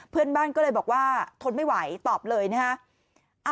เพื่อนบ้านก็เลยบอกว่าทนไม่ไหวตอบเลยนะฮะ